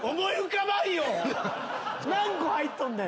何個入っとんねん。